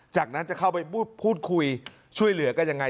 จากนั้นจะเข้าไปพูดคุยช่วยเหลือกันยังไง